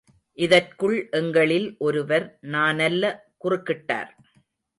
இதற்குள் எங்களில் ஒருவர் நானல்ல குறுக்கிட்டார்.